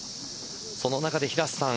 その中で、平瀬さん